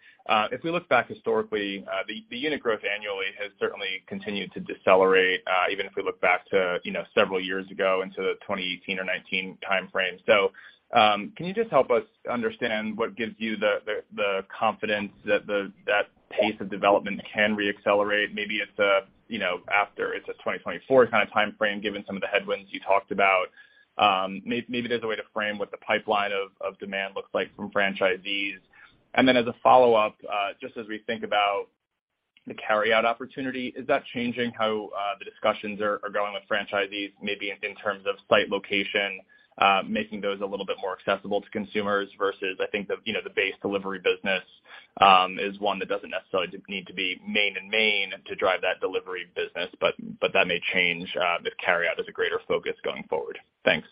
if we look back historically, the unit growth annually has certainly continued to decelerate, even if we look back to, you know, several years ago into the 2018 or 2019 timeframe. Can you just help us understand what gives you the confidence that the pace of development can reaccelerate? Maybe it's a, you know, after it's a 2024 kind of timeframe, given some of the headwinds you talked about. Maybe there's a way to frame what the pipeline of demand looks like from franchisees. As a follow-up, just as we think about the carryout opportunity, is that changing how the discussions are going with franchisees, maybe in terms of site location, making those a little bit more accessible to consumers versus, I think, you know, the base delivery business is one that doesn't necessarily need to be main and main to drive that delivery business, but that may change if carry out is a greater focus going forward. Thanks.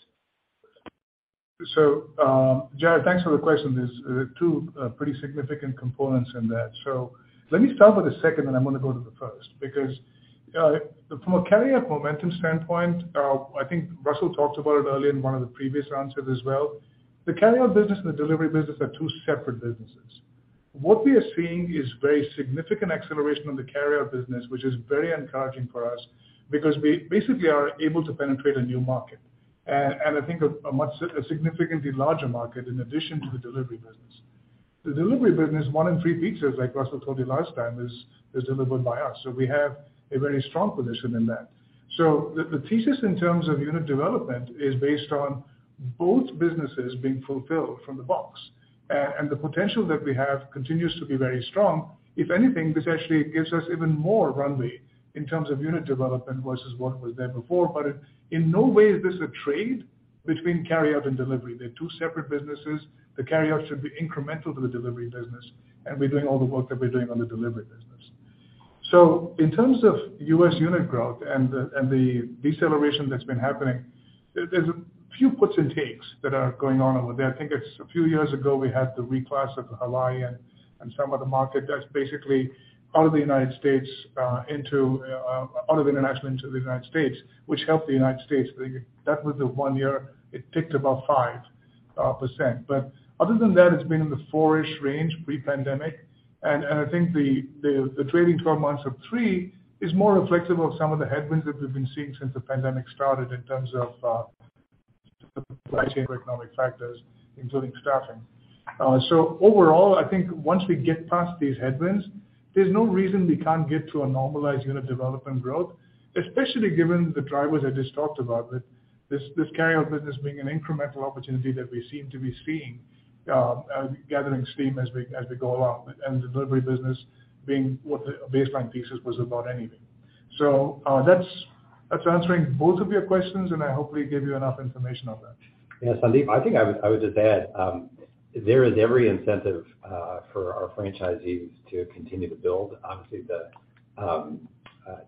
Jared, thanks for the question. There's two pretty significant components in that. Let me start with the second, and I'm gonna go to the first because from a carryout momentum standpoint, I think Russell talked about it earlier in one of the previous answers as well. The carryout business and the delivery business are two separate businesses. What we are seeing is very significant acceleration on the carryout business, which is very encouraging for us because we basically are able to penetrate a new market. I think a much significantly larger market in addition to the delivery business. The delivery business, 1/3 pizzas, like Russell told you last time, is delivered by us, so we have a very strong position in that. The thesis in terms of unit development is based on both businesses being fulfilled from the box. The potential that we have continues to be very strong. If anything, this actually gives us even more runway in terms of unit development versus what was there before. In no way is this a trade between carryout and delivery. They're two separate businesses. The carryout should be incremental to the delivery business, and we're doing all the work that we're doing on the delivery business. In terms of U.S. unit growth and the deceleration that's been happening, there's a few puts and takes that are going on over there. I think it's a few years ago, we had the reclass of Hawaii and some other market that's basically out of the United States into out of international into the United States, which helped the United States. That was the one year it ticked above 5%. Other than that, it's been in the 4-ish range pre-pandemic. I think the trailing twelve months of three is more reflective of some of the headwinds that we've been seeing since the pandemic started in terms of the pricing for economic factors, including staffing. Overall, I think once we get past these headwinds, there's no reason we can't get to a normalized unit development growth, especially given the drivers I just talked about, that this carryout business being an incremental opportunity that we seem to be seeing, gathering steam as we go along, and the delivery business being what the baseline thesis was about anything. That's answering both of your questions, and I hopefully gave you enough information on that. Yeah, Sandeep, I think I would just add there is every incentive for our franchisees to continue to build. Obviously, the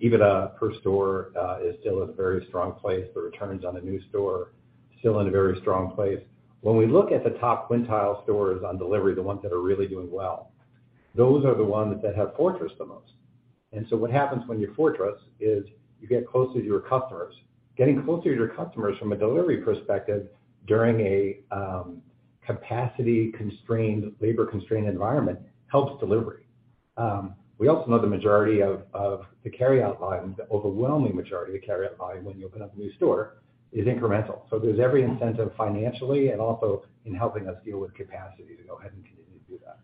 EBITDA per store is still in a very strong place. The returns on a new store still in a very strong place. When we look at the top quintile stores on delivery, the ones that are really doing well, those are the ones that have fortressed the most. What happens when you fortress is you get closer to your customers. Getting closer to your customers from a delivery perspective during a capacity-constrained, labor-constrained environment helps delivery. We also know the majority of the carryout volume, the overwhelming majority of the carryout volume when you open up a new store is incremental. There's every incentive financially and also in helping us deal with capacity to go ahead and continue to do that.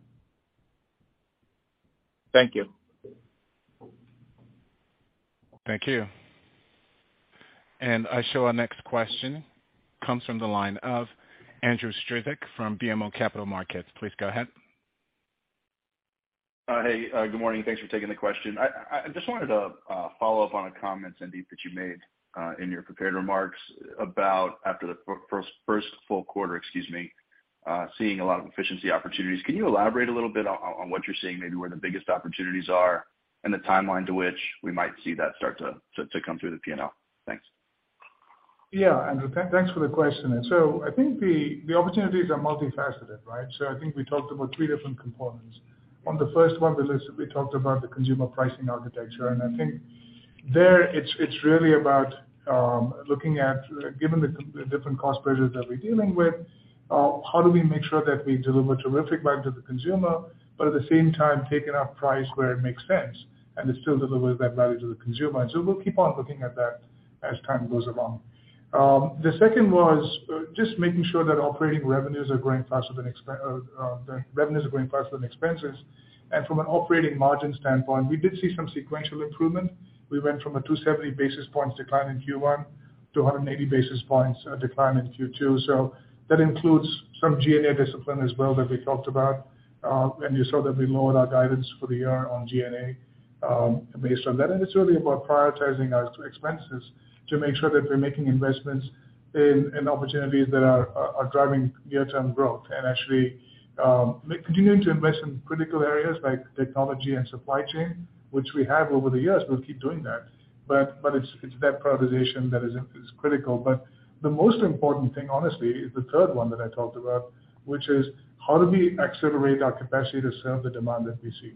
Thank you. Thank you. I show our next question comes from the line of Andrew Strelzik from BMO Capital Markets. Please go ahead. Hey, good morning. Thanks for taking the question. I just wanted to follow up on a comment, Sandeep, that you made in your prepared remarks about after the first full quarter seeing a lot of efficiency opportunities. Can you elaborate a little bit on what you're seeing, maybe where the biggest opportunities are and the timeline to which we might see that start to come through the P&L? Thanks. Yeah, Andrew. Thanks for the question. I think the opportunities are multifaceted, right? I think we talked about three different components. On the first one, we listed, we talked about the consumer pricing architecture, and I think there it's really about looking at, given the different cost pressures that we're dealing with, how do we make sure that we deliver terrific value to the consumer, but at the same time, taking our price where it makes sense, and it still delivers that value to the consumer. We'll keep on looking at that as time goes along. The second was just making sure that the revenues are growing faster than expenses. From an operating margin standpoint, we did see some sequential improvement. We went from a 270 basis points decline in Q1 to 180 basis points decline in Q2. That includes some G&A discipline as well that we talked about, and you saw that we lowered our guidance for the year on G&A. Based on that, it's really about prioritizing our two expenses to make sure that we're making investments in opportunities that are driving near-term growth and actually continuing to invest in critical areas like technology and supply chain, which we have over the years. We'll keep doing that. But it's that prioritization that is critical. The most important thing, honestly, is the third one that I talked about, which is how do we accelerate our capacity to serve the demand that we see?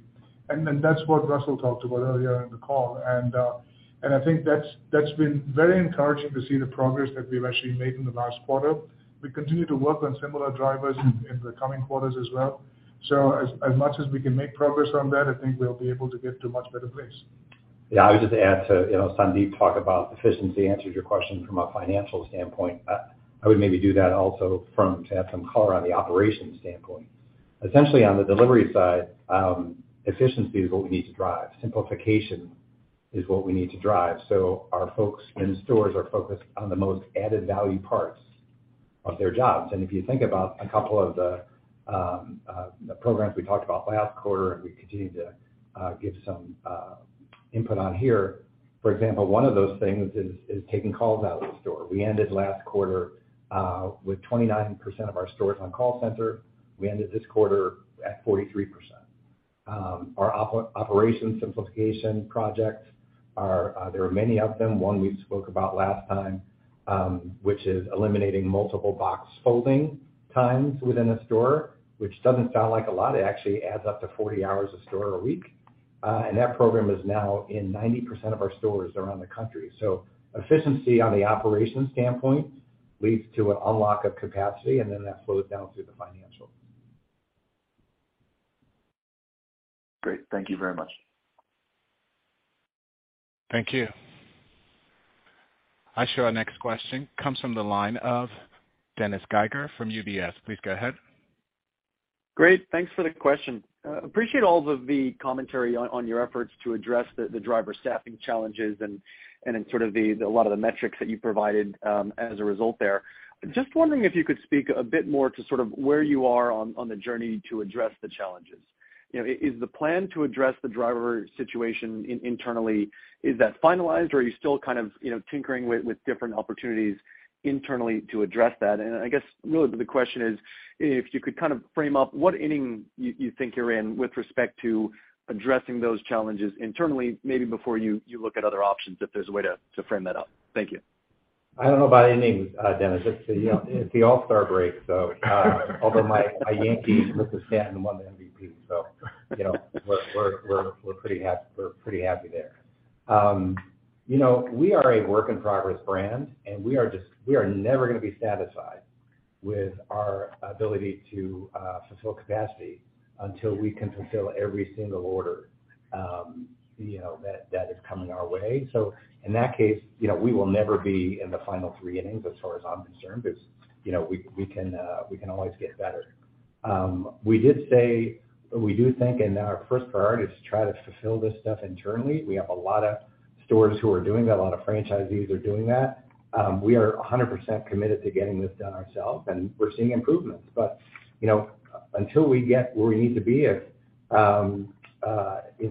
That's what Russell talked about earlier in the call. I think that's been very encouraging to see the progress that we've actually made in the last quarter. We continue to work on similar drivers in the coming quarters as well. As much as we can make progress on that, I think we'll be able to get to a much better place. Yeah, I would just add to, you know, Sandeep talked about efficiency, answered your question from a financial standpoint. I would maybe do that also to add some color on the operations standpoint. Essentially on the delivery side, efficiency is what we need to drive. Simplification is what we need to drive. Our folks in stores are focused on the most added value parts of their jobs. If you think about a couple of the programs we talked about last quarter, and we continue to give some input on here, for example, one of those things is taking calls out of the store. We ended last quarter with 29% of our stores on call center. We ended this quarter at 43%. Our operations simplification projects, there are many of them. One we spoke about last time, which is eliminating multiple box folding times within a store, which doesn't sound like a lot. It actually adds up to 40 hours a store a week. That program is now in 90% of our stores around the country. Efficiency on the operations standpoint leads to an unlock of capacity, and then that flows down through the financial. Great. Thank you very much. Thank you. Our next question comes from the line of Dennis Geiger from UBS. Please go ahead. Great. Thanks for the question. Appreciate all of the commentary on your efforts to address the driver staffing challenges and in sort of a lot of the metrics that you provided, as a result there. Just wondering if you could speak a bit more to sort of where you are on the journey to address the challenges. You know, is the plan to address the driver situation internally, is that finalized or are you still kind of, you know, tinkering with different opportunities internally to address that? I guess really the question is if you could kind of frame up what inning you think you're in with respect to addressing those challenges internally, maybe before you look at other options, if there's a way to frame that up. Thank you. I don't know about innings, Dennis. It's, you know, it's the All-Star break, so, although my Yankees, Mr. Stanton, won the MVP, so, you know, we're pretty happy there. You know, we are a work in progress brand, and we are never gonna be satisfied with our ability to fulfill capacity until we can fulfill every single order, you know, that is coming our way. In that case, you know, we will never be in the final three innings as far as I'm concerned, because, you know, we can always get better. We did say we do think and our first priority is to try to fulfill this stuff internally. We have a lot of stores who are doing that, a lot of franchisees are doing that. We are 100% committed to getting this done ourselves, and we're seeing improvements. You know, until we get where we need to be, you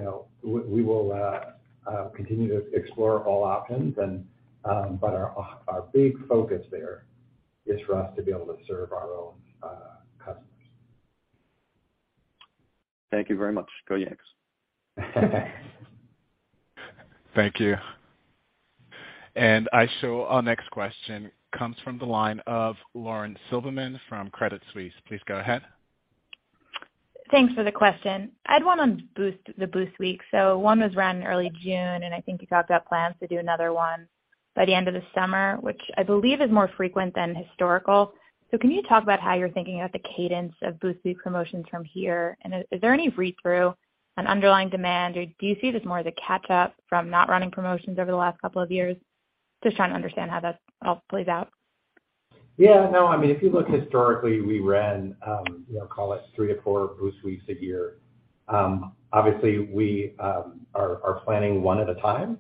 know, we will continue to explore all options. Our big focus there is for us to be able to serve our own customers. Thank you very much. Go Yanks. Thank you. I show our next question comes from the line of Lauren Silberman from Credit Suisse. Please go ahead. Thanks for the question. I'd wanna boost the Boost Week. One was run in early June, and I think you talked about plans to do another one by the end of the summer, which I believe is more frequent than historical. Can you talk about how you're thinking about the cadence of Boost Week promotions from here? And is there any read-through on underlying demand, or do you see it as more as a catch up from not running promotions over the last couple of years? Just trying to understand how that all plays out. Yeah, no. I mean, if you look historically, we ran, you know, call it three-four Boost Weeks a year. Obviously we are planning one at a time.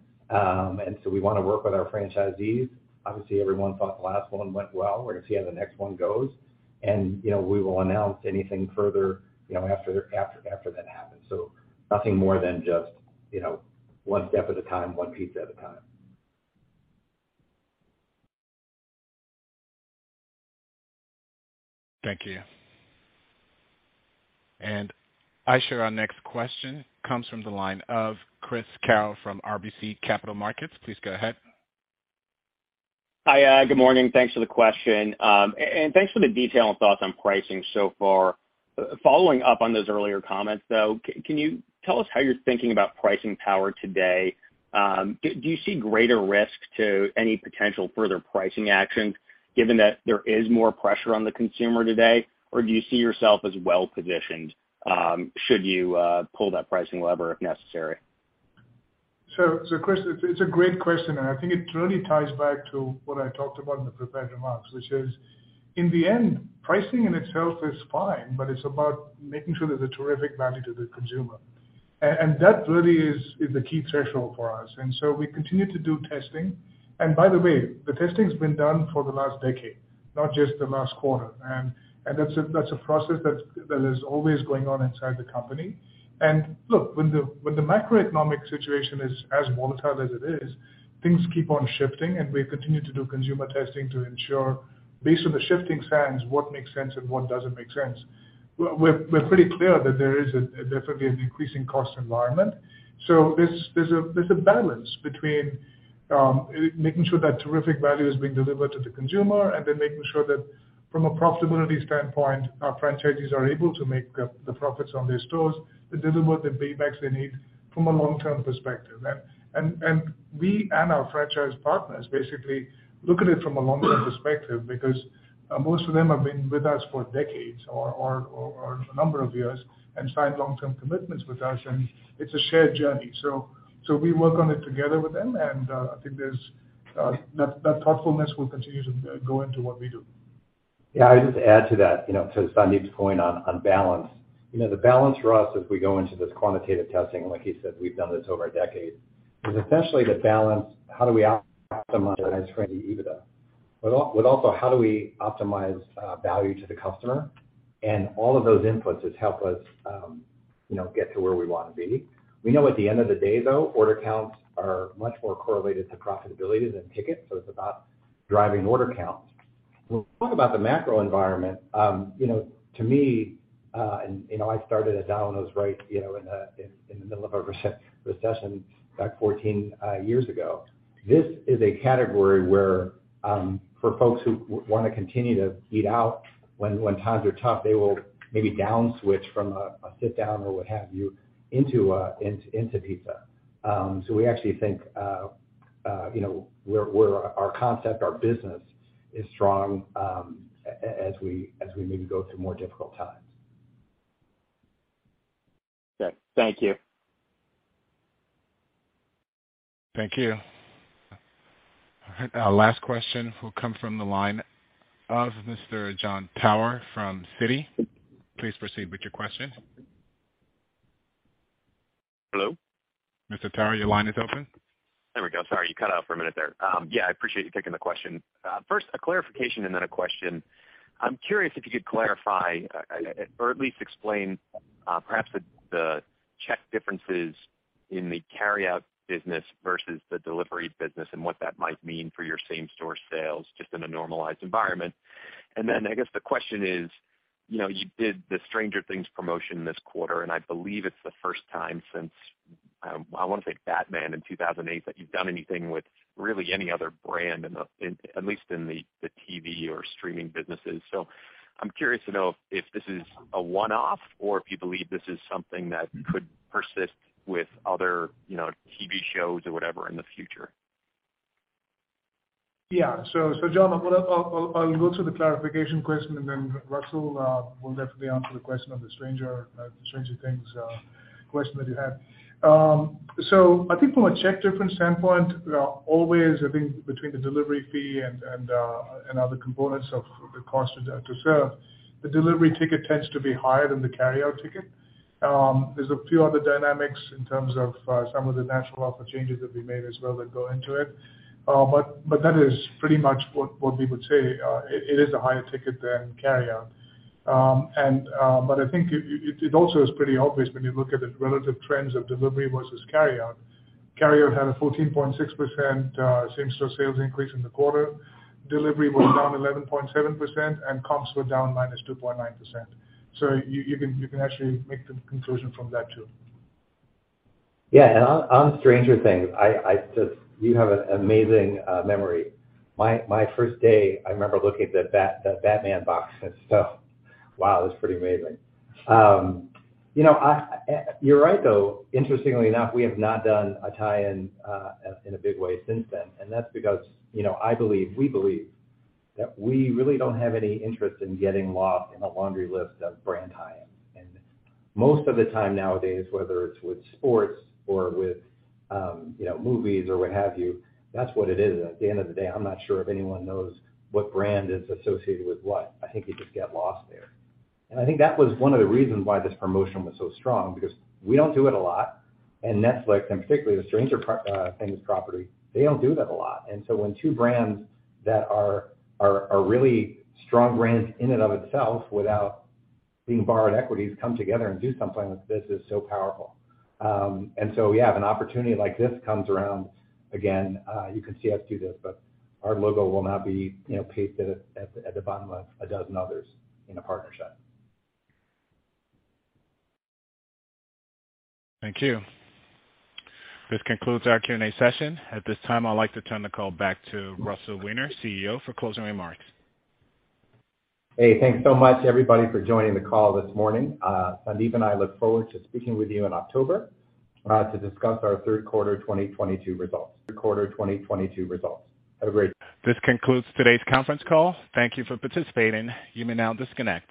We wanna work with our franchisees. Obviously everyone thought the last one went well. We're gonna see how the next one goes. You know, we will announce anything further, you know, after that happens. Nothing more than just, you know, one step at a time, one pizza at a time. Thank you. I show our next question comes from the line of Chris O'Cull from Stifel Financial. Please go ahead. Hi, good morning. Thanks for the question. Thanks for the detail and thoughts on pricing so far. Following up on those earlier comments, though, can you tell us how you're thinking about pricing power today? Do you see greater risk to any potential further pricing action given that there is more pressure on the consumer today, or do you see yourself as well-positioned, should you pull that pricing lever if necessary? Chris, it's a great question, and I think it really ties back to what I talked about in the prepared remarks, which is, in the end, pricing in itself is fine, but it's about making sure there's a terrific value to the consumer. And that really is the key threshold for us. We continue to do testing. By the way, the testing's been done for the last decade. Not just the last quarter. That's a process that is always going on inside the company. Look, when the macroeconomic situation is as volatile as it is, things keep on shifting, and we continue to do consumer testing to ensure, based on the shifting sands, what makes sense and what doesn't make sense. We're pretty clear that there is definitely an increasing cost environment. There's a balance between making sure that terrific value is being delivered to the consumer, and then making sure that from a profitability standpoint, our franchisees are able to make the profits on their stores to deliver the paybacks they need from a long-term perspective. We and our franchise partners basically look at it from a long-term perspective because most of them have been with us for decades or a number of years and signed long-term commitments with us, and it's a shared journey. We work on it together with them and I think that thoughtfulness will continue to go into what we do. Yeah, I'll just add to that, you know, to Sandeep's point on balance. You know, the balance for us as we go into this quantitative testing, like he said, we've done this over a decade, is essentially the balance, how do we optimize for an EBITDA? Also how do we optimize value to the customer? All of those inputs help us, you know, get to where we wanna be. We know at the end of the day, though, order counts are much more correlated to profitability than tickets, so it's about driving order counts. When we talk about the macro environment, you know, to me, and you know, I started at Domino's right, you know, in the middle of a recession back 14 years ago. This is a category where, for folks who wanna continue to eat out when times are tough, they will maybe down switch from a sit down or what have you into pizza. We actually think, you know, our concept, our business is strong, as we maybe go through more difficult times. Okay. Thank you. Thank you. All right, our last question will come from the line of Mr. Jon Tower from Citi. Please proceed with your question. Hello? Mr. Tower, your line is open. There we go. Sorry, you cut out for a minute there. Yeah, I appreciate you taking the question. First, a clarification and then a question. I'm curious if you could clarify, or at least explain, perhaps the check differences in the carryout business versus the delivery business and what that might mean for your same-store sales, just in a normalized environment. Then I guess the question is, you know, you did the Stranger Things promotion this quarter, and I believe it's the first time since, I wanna say Batman in 2008, that you've done anything with really any other brand in at least in the TV or streaming businesses. I'm curious to know if this is a one-off or if you believe this is something that could persist with other, you know, TV shows or whatever in the future? John, I'll go through the clarification question and then Russell will definitely answer the question on the Stranger Things question that you had. I think from a check difference standpoint, always, I think between the delivery fee and other components of the cost to serve, the delivery ticket tends to be higher than the carryout ticket. There's a few other dynamics in terms of some of the national offer changes that we made as well that go into it. That is pretty much what we would say. It is a higher ticket than carryout. I think it also is pretty obvious when you look at the relative trends of delivery versus carryout. Carryout had a 14.6% same-store sales increase in the quarter. Delivery was down 11.7% and comps were down -2.9%. You can actually make the conclusion from that too. On Stranger Things, you have amazing memory. My first day, I remember looking at the Batman box. Wow, that's pretty amazing. You know, you're right, though. Interestingly enough, we have not done a tie-in in a big way since then. That's because, you know, I believe, we believe, that we really don't have any interest in getting lost in a laundry list of brand tie-ins. Most of the time nowadays, whether it's with sports or with, you know, movies or what have you, that's what it is. At the end of the day, I'm not sure if anyone knows what brand is associated with what. I think you just get lost there. I think that was one of the reasons why this promotion was so strong because we don't do it a lot. Netflix, and particularly the Stranger Things property, they don't do that a lot. So when two brands that are really strong brands in and of itself without being borrowed equities come together and do something like this, is so powerful. If we have an opportunity like this comes around again, you can see us do this, but our logo will not be, you know, pasted at the bottom of a dozen others in a partnership. Thank you. This concludes our Q&A session. At this time, I'd like to turn the call back to Russell Weiner, CEO, for closing remarks. Hey, thanks so much everybody for joining the call this morning. Sandeep and I look forward to speaking with you in October to discuss our third quarter 2022 results. Have a great This concludes today's conference call. Thank you for participating. You may now disconnect.